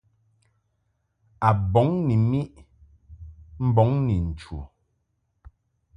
A bɔŋ ni miʼ mbɔŋ ni nchu.